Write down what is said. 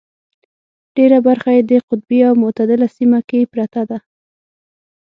ډېره برخه یې په قطبي او متعدله سیمه کې پرته ده.